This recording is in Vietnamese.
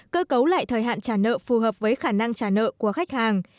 cơ cấu lại thời hạn trả nợ phù hợp với khả năng trả nợ của khách hàng